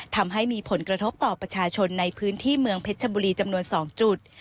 ทำให้มีผลกระทบต่อประชาชนในพื้นที่เมืองเพชรชบุรีจำนวน๒จุด